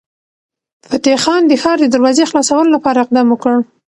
فتح خان د ښار د دروازې خلاصولو لپاره اقدام وکړ.